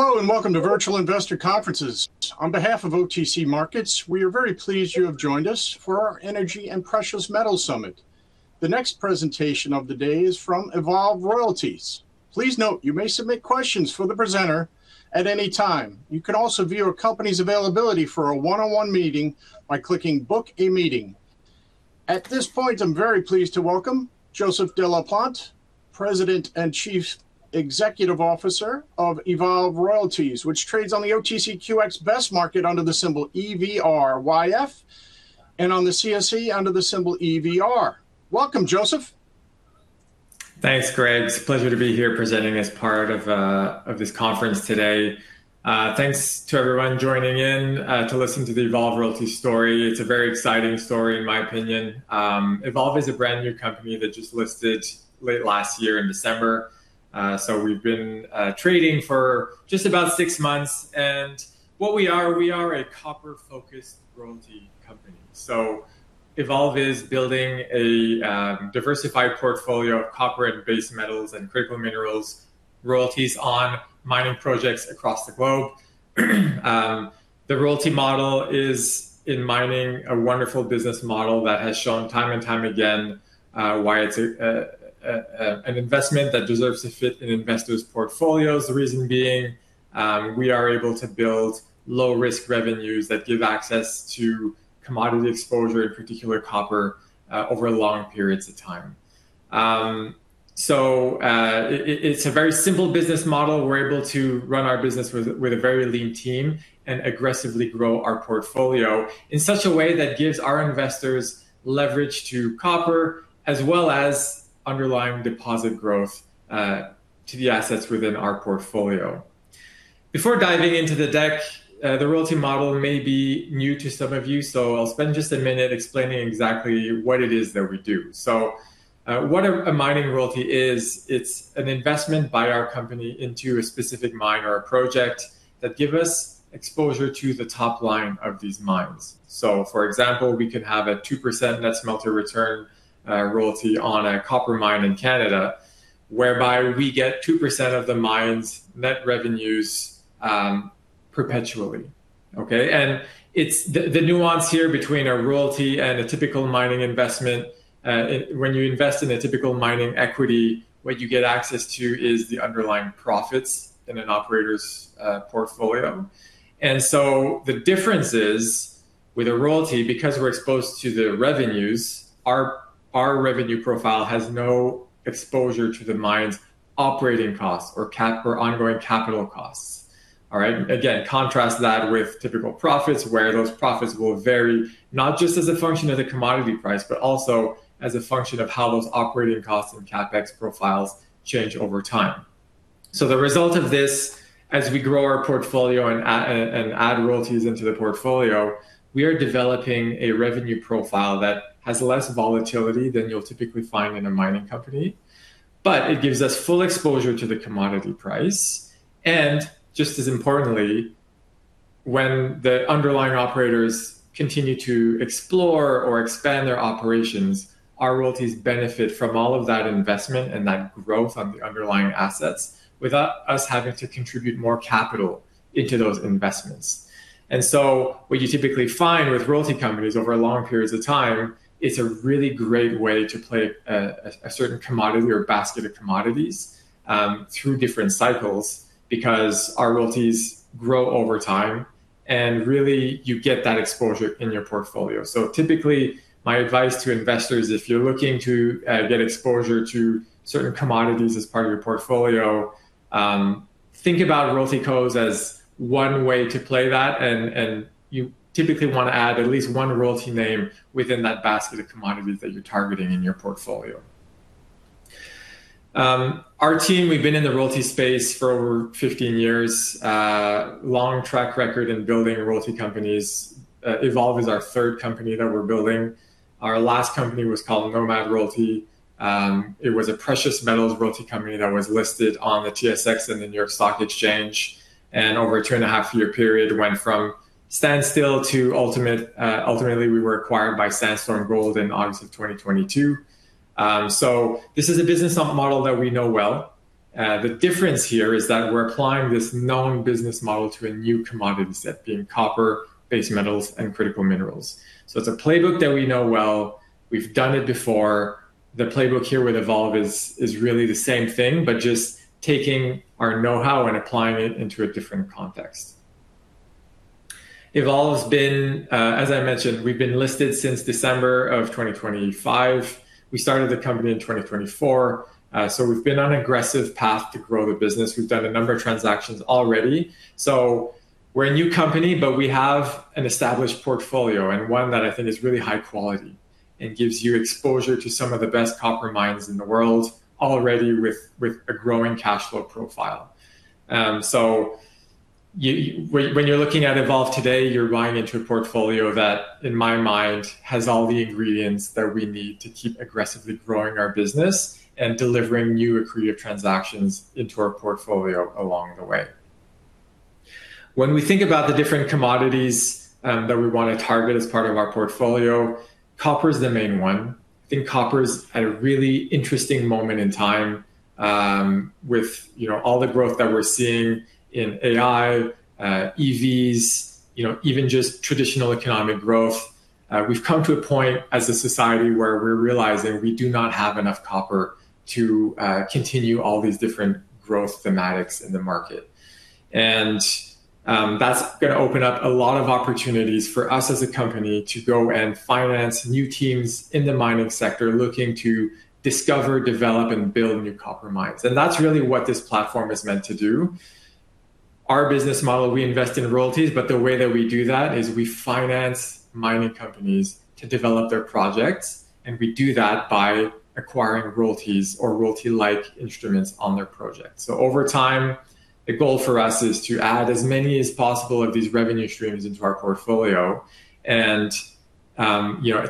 Hello, welcome to Virtual Investor Conferences. On behalf of OTC Markets, we are very pleased you have joined us for our Energy and Precious Metals Summit. The next presentation of the day is from Evolve Royalties. Please note, you may submit questions for the presenter at any time. You can also view a company's availability for a one-on-one meeting by clicking Book a Meeting. At this point, I'm very pleased to welcome Joseph de la Plante, President and Chief Executive Officer of Evolve Royalties, which trades on the OTCQX Best Market under the symbol EVRYF, and on the CSE under the symbol EVR. Welcome, Joseph. Thanks, Greg. It's a pleasure to be here presenting as part of this conference today. Thanks to everyone joining in to listen to the Evolve Royalties story. It's a very exciting story, in my opinion. Evolve is a brand-new company that just listed late last year in December. We've been trading for just about six months. What we are, we are a copper-focused royalty company. Evolve is building a diversified portfolio of copper and base metals and critical minerals royalties on mining projects across the globe. The royalty model is, in mining, a wonderful business model that has shown time and time again why it's an investment that deserves a fit in investors' portfolios. The reason being, we are able to build low-risk revenues that give access to commodity exposure, in particular copper, over long periods of time. It's a very simple business model. We're able to run our business with a very lean team and aggressively grow our portfolio in such a way that gives our investors leverage to copper, as well as underlying deposit growth to the assets within our portfolio. Before diving into the deck, the royalty model may be new to some of you, I'll spend just a minute explaining exactly what it is that we do. What a mining royalty is, it's an investment by our company into a specific mine or a project that give us exposure to the top line of these mines. For example, we could have a 2% net smelter return royalty on a copper mine in Canada, whereby we get 2% of the mine's net revenues perpetually. Okay? The nuance here between a royalty and a typical mining investment, when you invest in a typical mining equity, what you get access to is the underlying profits in an operator's portfolio. The difference is with a royalty, because we're exposed to the revenues, our revenue profile has no exposure to the mine's operating costs or ongoing capital costs. All right? Again, contrast that with typical profits, where those profits will vary, not just as a function of the commodity price, but also as a function of how those operating costs and CapEx profiles change over time. The result of this, as we grow our portfolio and add royalties into the portfolio, we are developing a revenue profile that has less volatility than you'll typically find in a mining company, but it gives us full exposure to the commodity price. Just as importantly, when the underlying operators continue to explore or expand their operations, our royalties benefit from all of that investment and that growth on the underlying assets without us having to contribute more capital into those investments. What you typically find with royalty companies over long periods of time, it's a really great way to play a certain commodity or basket of commodities through different cycles, because our royalties grow over time, and really, you get that exposure in your portfolio. Typically, my advice to investors, if you're looking to get exposure to certain commodities as part of your portfolio, think about royalty companies as one way to play that, and you typically want to add at least one royalty name within that basket of commodities that you're targeting in your portfolio. Our team, we've been in the royalty space for over 15 years. Long track record in building royalty companies. Evolve is our third company that we're building. Our last company was called Nomad Royalty. It was a precious metals royalty company that was listed on the TSX and the New York Stock Exchange, and over a two and half year period, went from standstill to ultimately we were acquired by Sandstorm Gold in August of 2022. This is a business model that we know well. The difference here is that we're applying this known business model to a new commodity set, being copper, base metals, and critical minerals. It's a playbook that we know well. We've done it before. The playbook here with Evolve is really the same thing, but just taking our knowhow and applying it into a different context. Evolve has been, as I mentioned, we've been listed since December of 2025. We started the company in 2024. We've been on an aggressive path to grow the business. We've done a number of transactions already. We're a new company, but we have an established portfolio, and one that I think is really high quality and gives you exposure to some of the best copper mines in the world already with a growing cash flow profile. When you're looking at Evolve today, you're buying into a portfolio that, in my mind, has all the ingredients that we need to keep aggressively growing our business and delivering new accretive transactions into our portfolio along the way. When we think about the different commodities that we want to target as part of our portfolio, copper is the main one. I think copper is at a really interesting moment in time, with all the growth that we're seeing in AI, EVs, even just traditional economic growth. That's going to open up a lot of opportunities for us as a company to go and finance new teams in the mining sector looking to discover, develop, and build new copper mines. That's really what this platform is meant to do. Our business model, we invest in royalties, but the way that we do that is we finance mining companies to develop their projects, and we do that by acquiring royalties or royalty-like instruments on their projects. Over time, the goal for us is to add as many as possible of these revenue streams into our portfolio and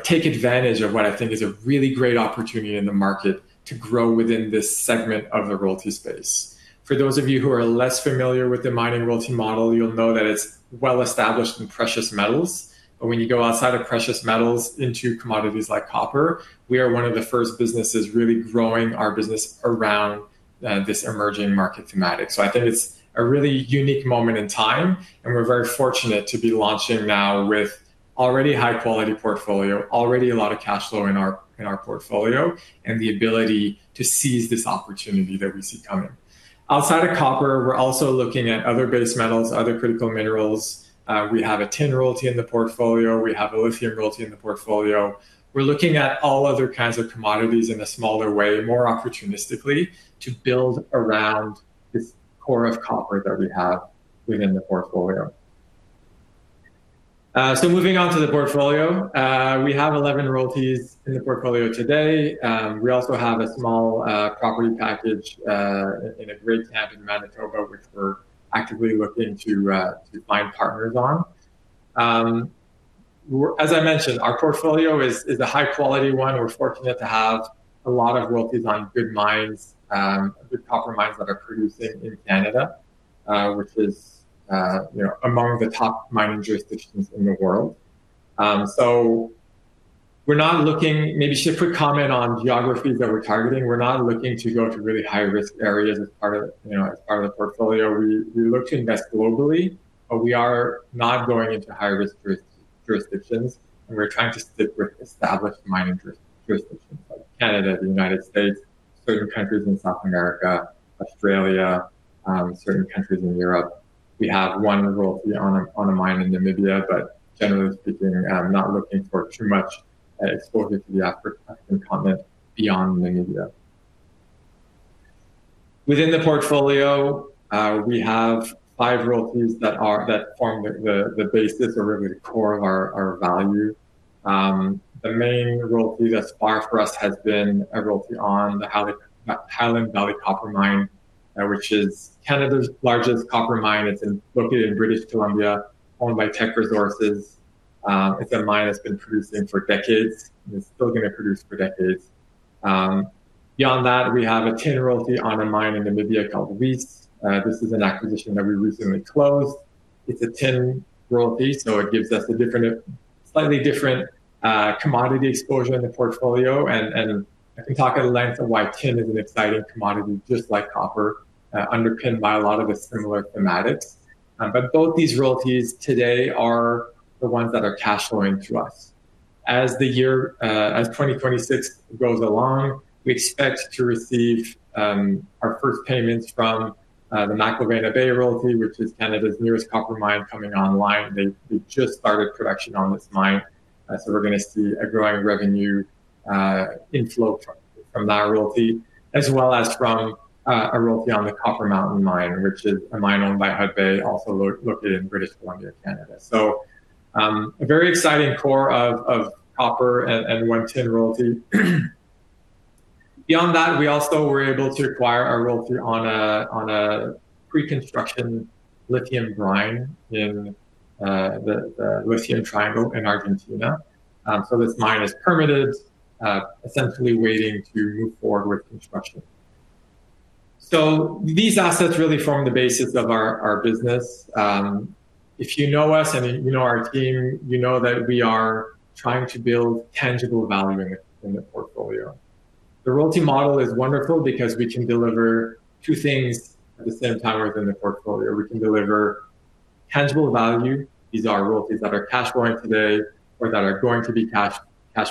take advantage of what I think is a really great opportunity in the market to grow within this segment of the royalty space. For those of you who are less familiar with the mining royalty model, you will know that it is well established in precious metals. When you go outside of precious metals into commodities like copper, we are one of the first businesses really growing our business around this emerging market thematic. I think it is a really unique moment in time, and we are very fortunate to be launching now with already high-quality portfolio, already a lot of cash flow in our portfolio, and the ability to seize this opportunity that we see coming. Outside of copper, we are also looking at other base metals, other critical minerals. We have a tin royalty in the portfolio. We have a lithium royalty in the portfolio. We are looking at all other kinds of commodities in a smaller way, more opportunistically to build around this core of copper that we have within the portfolio. Moving on to the portfolio. We have 11 royalties in the portfolio today. We also have a small property package in a greenstone camp in Manitoba, which we are actively looking to find partners on. As I mentioned, our portfolio is a high-quality one. We are fortunate to have a lot of royalties on good copper mines that are producing in Canada, which is among the top mining jurisdictions in the world. Maybe [Shif] would comment on geographies that we are targeting. We are not looking to go to really high-risk areas as part of the portfolio. We look to invest globally, we are not going into high-risk jurisdictions, we are trying to stick with established mining jurisdictions like Canada, the U.S., certain countries in South America, Australia, certain countries in Europe. We have one royalty on a mine in Namibia, generally speaking, I'm not looking for too much exposure to the African continent beyond Namibia. Within the portfolio, we have five royalties that form the basis or really the core of our value. The main royalty thus far for us has been a royalty on the Highland Valley copper mine, which is Canada's largest copper mine. It's located in British Columbia, owned by Teck Resources. It's a mine that's been producing for decades, and it's still going to produce for decades. Beyond that, we have a tin royalty on a mine in Namibia called Uis. This is an acquisition that we recently closed. It's a tin royalty, it gives us a slightly different commodity exposure in the portfolio, I can talk at length on why tin is an exciting commodity just like copper, underpinned by a lot of the similar thematics. Both these royalties today are the ones that are cash flowing to us. As 2026 goes along, we expect to receive our first payments from the McIlvenna Bay royalty, which is Canada's newest copper mine coming online. They just started production on this mine. We are going to see a growing revenue inflow from that royalty, as well as from a royalty on the Copper Mountain mine, which is a mine owned by Hudbay, also located in British Columbia, Canada. A very exciting core of copper and one tin royalty. Beyond that, we also were able to acquire a royalty on a pre-construction lithium brine in the lithium triangle in Argentina. This mine is permitted, essentially waiting to move forward with construction. These assets really form the basis of our business. If you know us and you know our team, you know that we are trying to build tangible value in the portfolio. The royalty model is wonderful because we can deliver two things at the same time within the portfolio. We can deliver tangible value. These are royalties that are cash flowing today or that are going to be cash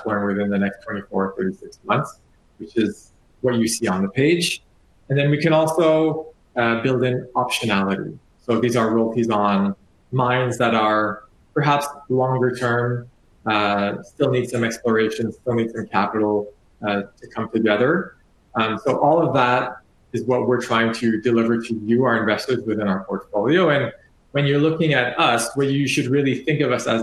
flowing within the next 24 or 36 months, which is what you see on the page. We can also build in optionality. These are royalties on mines that are perhaps longer term, still need some exploration, still need some capital to come together. All of that is what we're trying to deliver to you, our investors, within our portfolio. When you're looking at us, whether you should really think of us as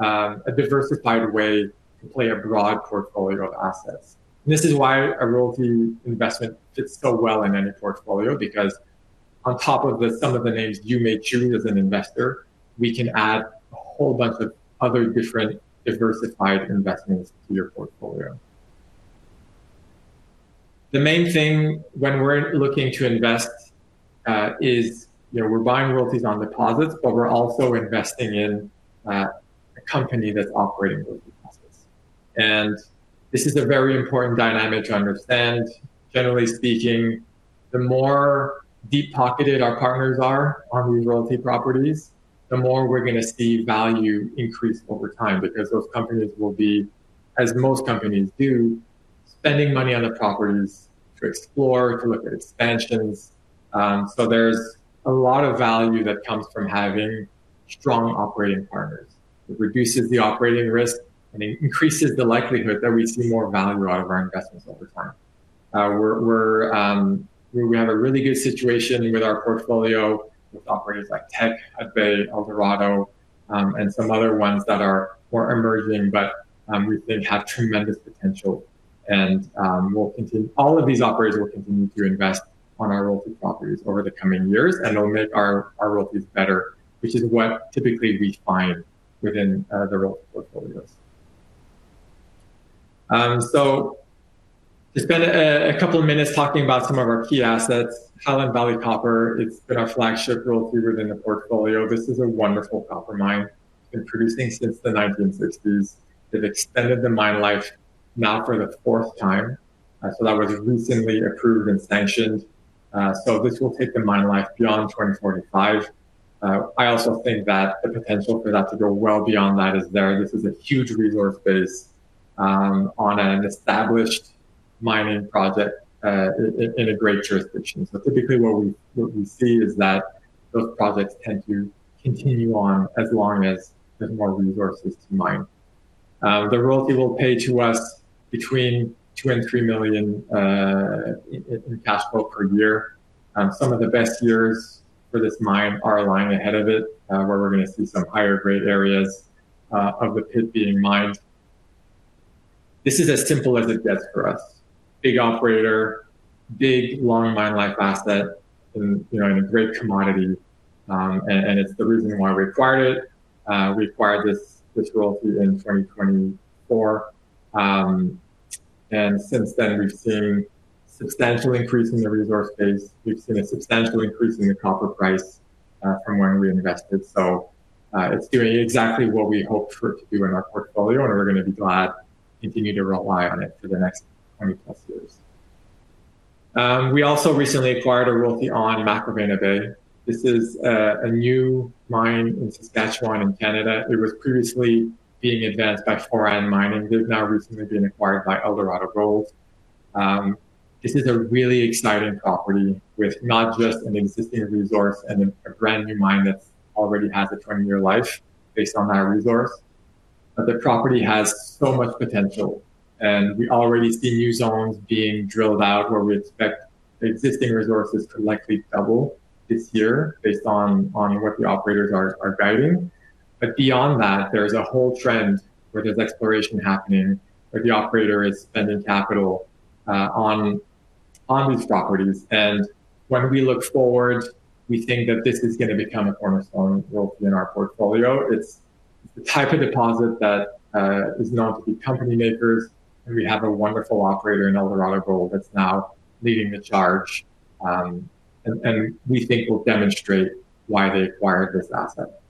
a diversified way to play a broad portfolio of assets. This is why a royalty investment fits so well in any portfolio, because on top of some of the names you may choose as an investor, we can add a whole bunch of other different diversified investments to your portfolio. The main thing when we're looking to invest is we're buying royalties on deposits, but we're also investing in a company that's operating those deposits. This is a very important dynamic to understand. Generally speaking, the more deep-pocketed our partners are on these royalty properties, the more we're going to see value increase over time, because those companies will be, as most companies do, spending money on the properties to explore, to look at expansions. There's a lot of value that comes from having strong operating partners. It reduces the operating risk, and it increases the likelihood that we see more value out of our investments over time. We have a really good situation with our portfolio with operators like Teck, Agnico Eagle, Eldorado, and some other ones that are more emerging, but we think have tremendous potential. All of these operators will continue to invest on our royalty properties over the coming years and they'll make our royalties better, which is what typically we find within the royalty portfolios. To spend a couple of minutes talking about some of our key assets, Highland Valley Copper, it's been our flagship royalty within the portfolio. This is a wonderful copper mine. It's been producing since the 1960s. They've extended the mine life now for the fourth time. That was recently approved and sanctioned. This will take the mine life beyond 2045. I also think that the potential for that to go well beyond that is there. This is a huge resource base on an established mining project in a great jurisdiction. Typically what we see is that those projects tend to continue on as long as there's more resources to mine. The royalty will pay to us between 2 million and 3 million in cash flow per year. Some of the best years for this mine are lying ahead of it, where we're going to see some higher-grade areas of the pit being mined. This is as simple as it gets for us. Big operator, big long mine life asset in a great commodity, it's the reason why we acquired it, acquired this royalty in 2024. Since then, we've seen a substantial increase in the resource base. We've seen a substantial increase in the copper price, from when we invested. It's doing exactly what we hoped for it to do in our portfolio, and we're going to be glad to continue to rely on it for the next 20+ years. We also recently acquired a royalty on McIlvenna Bay. This is a new mine in Saskatchewan, Canada. It was previously being advanced by Foran Mining, who have now recently been acquired by Eldorado Gold. This is a really exciting property with not just an existing resource and a brand new mine that already has a 20-year life based on that resource, the property has so much potential, and we already see new zones being drilled out where we expect the existing resources to likely double this year based on what the operators are guiding. Beyond that, there's a whole trend where there's exploration happening, where the operator is spending capital on these properties. When we look forward, we think that this is going to become a cornerstone royalty in our portfolio. It's the type of deposit that is known to be company makers, we have a wonderful operator in Eldorado Gold that's now leading the charge, we think will demonstrate why they acquired this asset.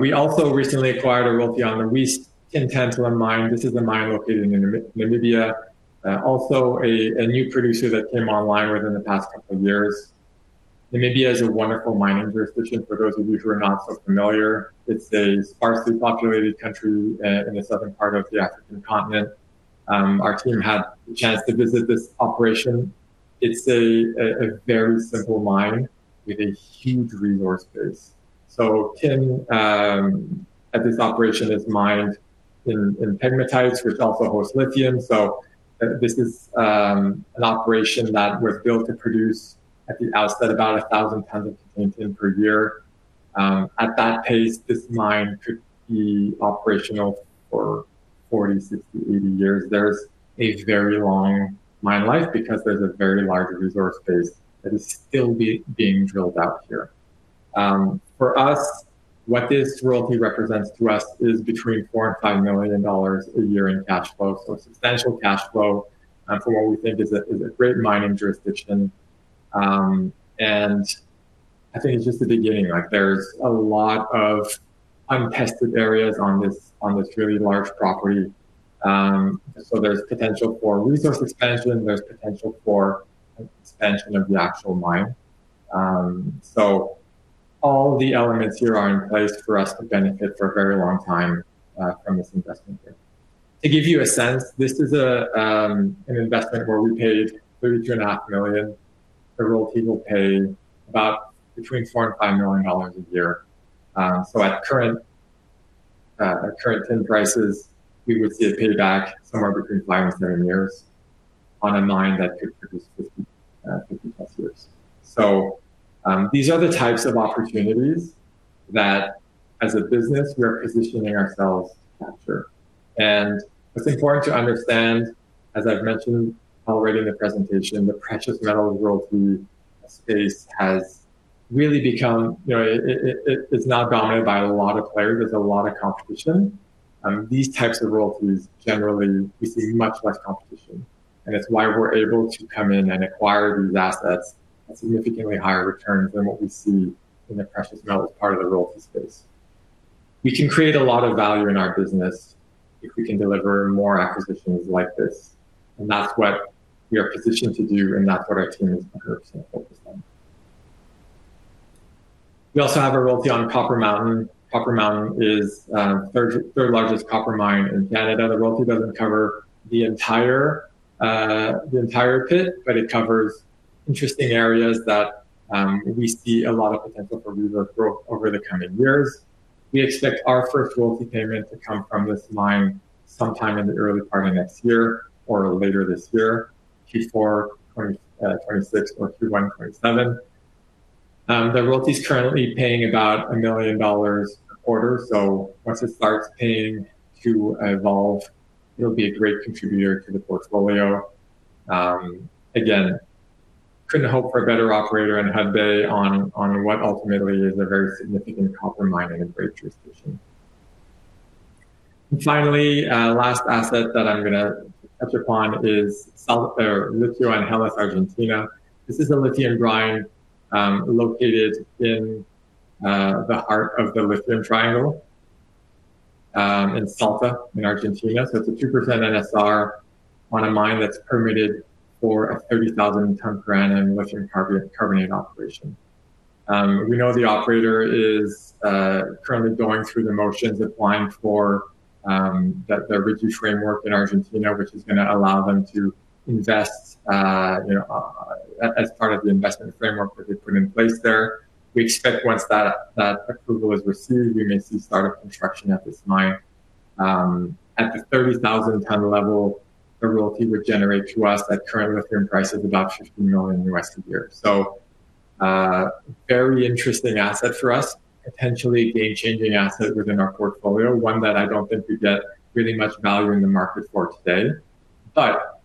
We also recently acquired a royalty on the [Uis] Tantalum mine. This is a mine located in Namibia, also a new producer that came online within the past couple of years. Namibia is a wonderful mining jurisdiction. For those of you who are not so familiar, it's a sparsely populated country in the southern part of the African continent. Our team had the chance to visit this operation. It's a very simple mine with a huge resource base. Tantalum, at this operation, is mined in pegmatites, which also hosts lithium. This is an operation that was built to produce, at the outset, about 1,000 tons of Tantalum per year. At that pace, this mine could be operational for 40, 60, 80 years. There's a very long mine life because there's a very large resource base that is still being drilled out here. For us, what this royalty represents to us is between 4 million and 5 million dollars a year in cash flow. Substantial cash flow for what we think is a great mining jurisdiction, I think it's just the beginning. There's a lot of untested areas on this really large property. There's potential for resource expansion, there's potential for expansion of the actual mine. All the elements here are in place for us to benefit for a very long time, from this investment here. To give you a sense, this is an investment where we paid 32.5 million. The royalty will pay about between 4 million and 5 million dollars a year. At current tin prices, we would see a payback somewhere between five and seven years on a mine that could produce 50+ years. These are the types of opportunities that as a business, we're positioning ourselves to capture. What's important to understand, as I've mentioned already in the presentation, the precious metal royalty space has Really become, it's not dominated by a lot of players. There's a lot of competition. These types of royalties, generally, we see much less competition, and it's why we're able to come in and acquire these assets at significantly higher returns than what we see in the precious metals part of the royalty space. We can create a lot of value in our business if we can deliver more acquisitions like this, and that's what we are positioned to do, and that's what our team is focused on. We also have a royalty on Copper Mountain. Copper Mountain is the third largest copper mine in Canada. The royalty doesn't cover the entire pit, but it covers interesting areas that we see a lot of potential for reserve growth over the coming years. We expect our first royalty payment to come from this mine sometime in the early part of next year or later this year, Q4 2026 or Q1 2027. The royalty's currently paying about 1 million dollars a quarter. Once it starts paying to Evolve, it'll be a great contributor to the portfolio. Again, couldn't hope for a better operator in Hudbay on what ultimately is a very significant copper mine and a great jurisdiction. Finally, last asset that I'm going to touch upon is Litio Angeles, Argentina. This is a lithium brine located in the heart of the lithium triangle, in Salta, in Argentina. It's a 2% NSR on a mine that's permitted for a 30,000 ton per annum lithium carbonate operation. We know the operator is currently going through the motions applying for the reduced framework in Argentina, which is going to allow them to invest as part of the investment framework that they've put in place there. We expect once that approval is received, we may see start of construction at this mine. At the 30,000 ton level, the royalty would generate to us at current lithium prices about $15 million a year. A very interesting asset for us, potentially a game-changing asset within our portfolio, one that I don't think we get really much value in the market for today, but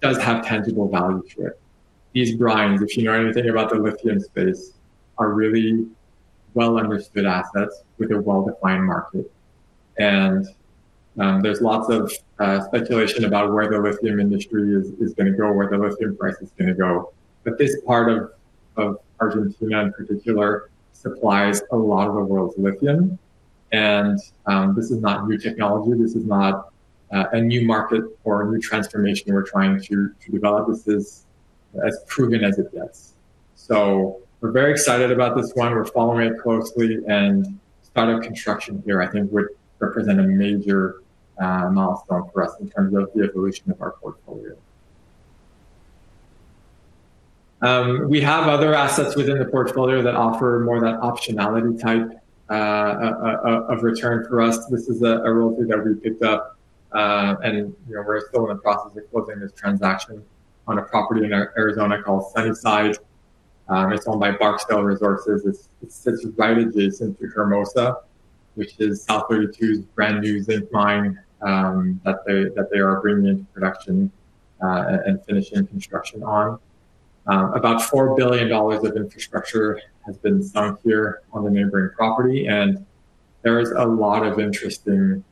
does have tangible value to it. These brines, if you know anything about the lithium space, are really well-understood assets with a well-defined market. There's lots of speculation about where the lithium industry is going to go, where the lithium price is going to go. This part of Argentina, in particular, supplies a lot of the world's lithium, and this is not new technology. This is not a new market or a new transformation we're trying to develop. This is as proven as it gets. We're very excited about this one. We're following it closely, and start of construction here I think would represent a major milestone for us in terms of the evolution of our portfolio. We have other assets within the portfolio that offer more that optionality type of return for us. This is a royalty that we picked up, and we're still in the process of closing this transaction on a property in Arizona called Sunnyside. It's owned by Barksdale Resources. It sits right adjacent to Hermosa, which is South32's brand new zinc mine that they are bringing into production, and finishing construction on. About 4 billion dollars of infrastructure has been sunk here on the neighboring property, there is a lot of interesting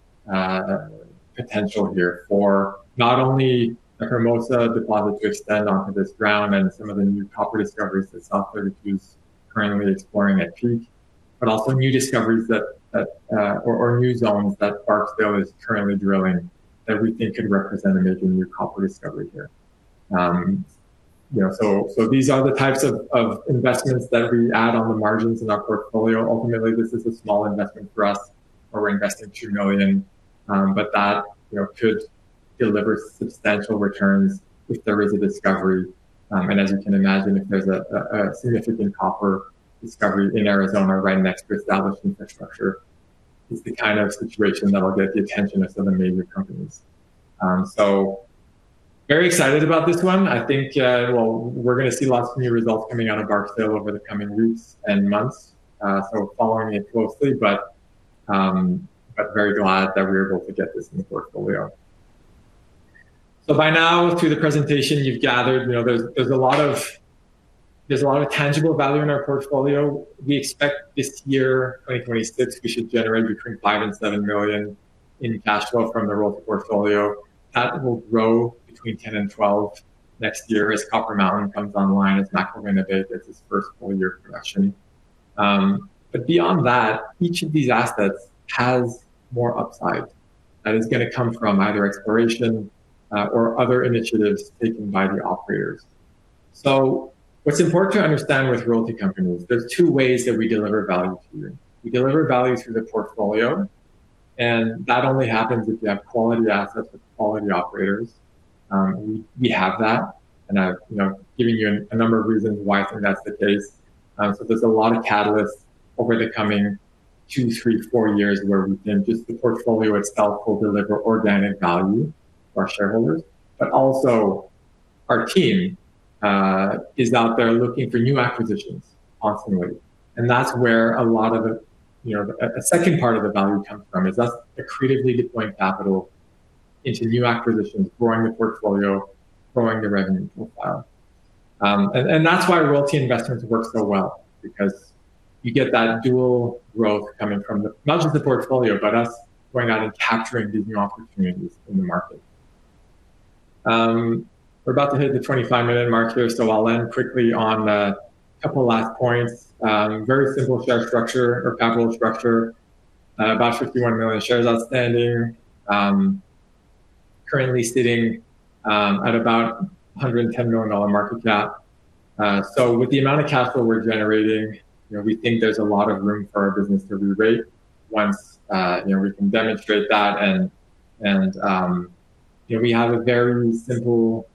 potential here for not only the Hermosa deposit to extend onto this ground and some of the new copper discoveries that South32's currently exploring at depth, but also new discoveries or new zones that Barksdale is currently drilling that we think could represent a major new copper discovery here. These are the types of investments that we add on the margins in our portfolio. Ultimately, this is a small investment for us, where we're investing 2 million, but that could deliver substantial returns if there is a discovery. As you can imagine, if there's a significant copper discovery in Arizona right next to established infrastructure, it's the kind of situation that'll get the attention of some of the major companies. Very excited about this one. I think we're going to see lots of new results coming out of Barksdale over the coming weeks and months, following it closely, but very glad that we were able to get this in the portfolio. By now, through the presentation, you've gathered there's a lot of tangible value in our portfolio. We expect this year, 2026, we should generate between 5 million and 7 million in cash flow from the royalty portfolio. That will grow between 10 million and 12 million next year as Copper Mountain comes online, as McIlvenna Bay hits its first full year of production. Beyond that, each of these assets has more upside, and it's going to come from either exploration or other initiatives taken by the operators. What's important to understand with royalty companies, there's two ways that we deliver value to you. We deliver value through the portfolio, and that only happens if you have quality assets with quality operators. We have that, and I've given you a number of reasons why I think that's the case. There's a lot of catalysts over the coming two, three, four years where we think just the portfolio itself will deliver organic value for our shareholders. Also our team is out there looking for new acquisitions constantly, and that's where a lot of the second part of the value comes from, is us accretively deploying capital into new acquisitions, growing the portfolio, growing the revenue profile. That's why royalty investments work so well, because you get that dual growth coming from not just the portfolio, but us going out and capturing these new opportunities in the market. We're about to hit the 25-minute mark here, I'll end quickly on a couple of last points. Very simple share structure or capital structure. About 51 million shares outstanding. Currently sitting at about 110 million dollar market cap. With the amount of capital we're generating, we think there's a lot of room for our business to re-rate once we can demonstrate that. We have a very simple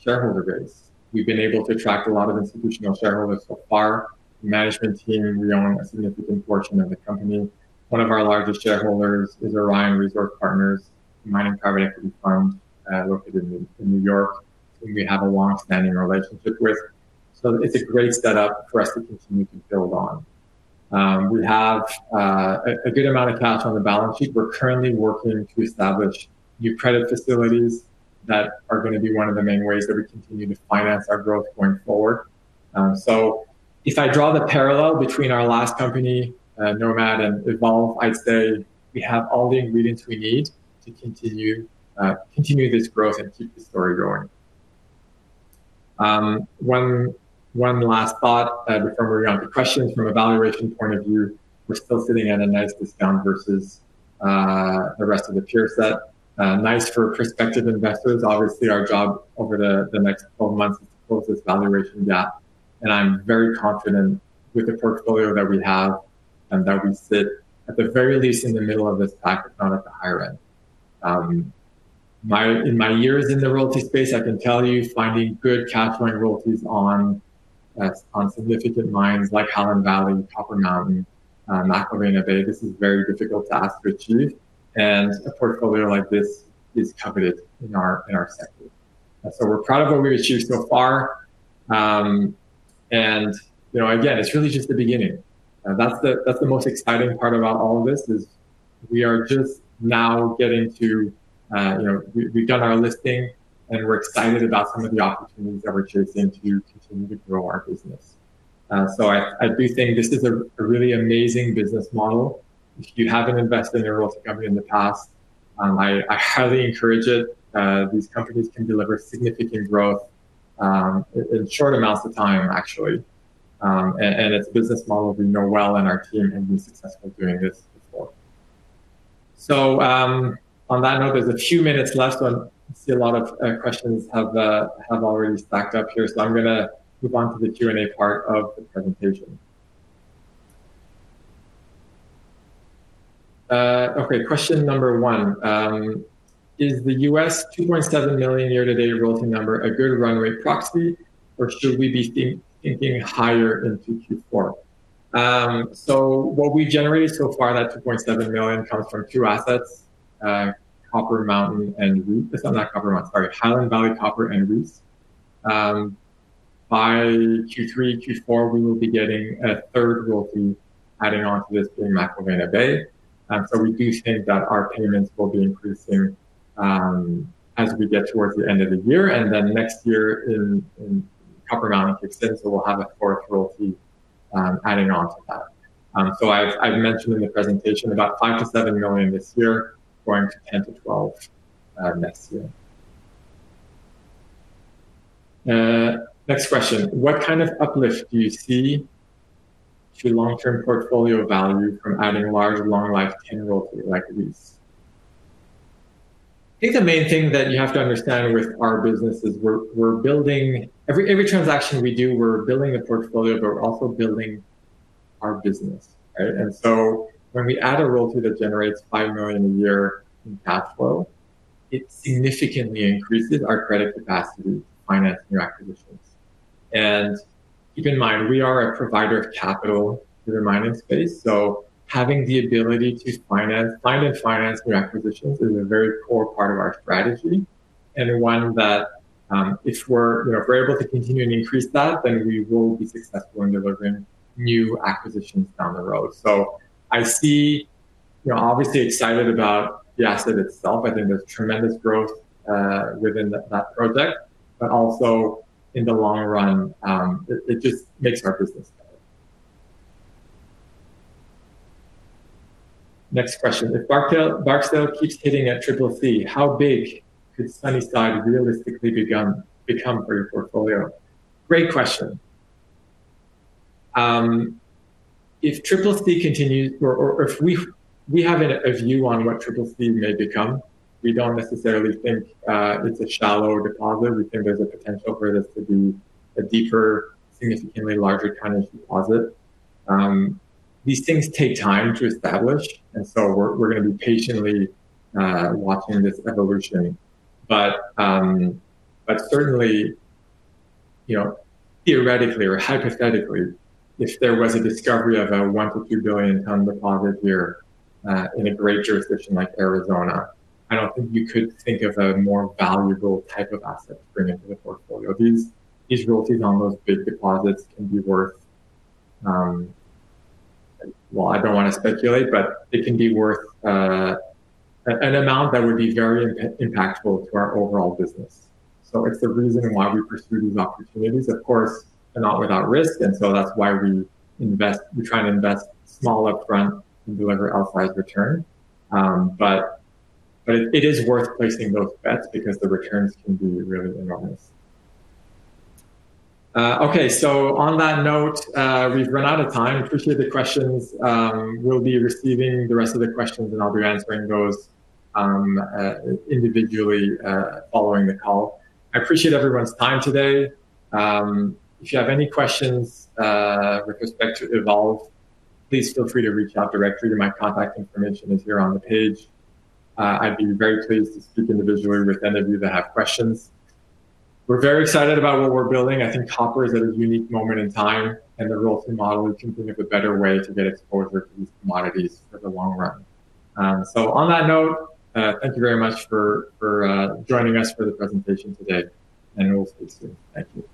shareholder base. We've been able to attract a lot of institutional shareholders so far. The management team, we own a significant portion of the company. One of our largest shareholders is Orion Resource Partners, a mining private equity firm, located in New York, who we have a longstanding relationship with. It's a great setup for us to continue to build on. We have a good amount of cash on the balance sheet. We're currently working to establish new credit facilities that are going to be one of the main ways that we continue to finance our growth going forward. If I draw the parallel between our last company, Nomad, and Evolve, I'd say we have all the ingredients we need to continue this growth and keep the story going. One last thought from around the questions from a valuation point of view, we're still sitting at a nice discount versus the rest of the peer set. Nice for prospective investors. Obviously, our job over the next 12 months is to close this valuation gap. I'm very confident with the portfolio that we have and that we sit at the very least in the middle of this pack, if not at the higher end. In my years in the royalty space, I can tell you, finding good cash flowing royalties on significant mines like Highland Valley, Copper Mountain, McIlvenna Bay, this is a very difficult task to achieve. A portfolio like this is coveted in our sector. We're proud of what we achieved so far. Again, it's really just the beginning. That's the most exciting part about all of this, is we've done our listing, and we're excited about some of the opportunities that we're chasing to continue to grow our business. I'd be saying this is a really amazing business model. If you haven't invested in a royalty company in the past, I highly encourage it. These companies can deliver significant growth, in short amounts of time, actually. It's a business model we know well, and our team has been successful doing this before. On that note, there's a few minutes left, but I see a lot of questions have already stacked up here. I'm going to move on to the Q&A part of the presentation. Okay, question number one, "Is the 2.7 million year-to-date royalty number a good run-rate proxy, or should we be thinking higher in Q4?" What we've generated so far, that 2.7 million comes from two assets, Copper Mountain and, sorry, not Copper Mountain. Sorry, Highland Valley Copper and Uis. By Q3, Q4, we will be getting a third royalty adding on to this being McIlvenna Bay. We do think that our payments will be increasing as we get towards the end of the year, and then next year in Copper Mountain if it's then, we'll have a fourth royalty adding on to that. I've mentioned in the presentation about 5 million to 7 million this year, growing to 10 million to 12 million next year. Next question, "What kind of uplift do you see to long-term portfolio value from adding large, long-life tenure royalty like these?" I think the main thing that you have to understand with our business is we're building, every transaction we do, we're building a portfolio, but we're also building our business, right? When we add a royalty that generates 5 million a year in cash flow, it significantly increases our credit capacity to finance new acquisitions. Keep in mind, we are a provider of capital to the mining space, having the ability to find and finance new acquisitions is a very core part of our strategy and one that if we're able to continue to increase that, we will be successful in delivering new acquisitions down the road. I see, obviously excited about the asset itself. I think there's tremendous growth within that project, but also in the long run, it just makes our business better. Next question, "If Barksdale keeps hitting at Triple C, how big could Sunnyside realistically become for your portfolio?" Great question. We have a view on what Triple C may become. We don't necessarily think it's a shallow deposit. We think there's a potential for this to be a deeper, significantly larger tonnage deposit. These things take time to establish, we're going to be patiently watching this evolution. Certainly, theoretically or hypothetically, if there was a discovery of a 1 billion-2 billion ton deposit here, in a great jurisdiction like Arizona, I don't think you could think of a more valuable type of asset to bring into the portfolio. These royalties on those big deposits can be worth, well, I don't want to speculate, but it can be worth an amount that would be very impactful to our overall business. It's the reason why we pursue these opportunities. Of course, they're not without risk, that's why we try and invest small upfront and deliver outsized return. It is worth placing those bets because the returns can be really enormous. Okay. On that note, we've run out of time. I appreciate the questions. We'll be receiving the rest of the questions and I'll be answering those individually following the call. I appreciate everyone's time today. If you have any questions with respect to Evolve, please feel free to reach out directly. My contact information is here on the page. I'd be very pleased to speak individually with any of you that have questions. We're very excited about what we're building. I think copper is at a unique moment in time, the royalty model, we couldn't think of a better way to get exposure to these commodities for the long run. On that note, thank you very much for joining us for the presentation today, we'll speak soon. Thank you.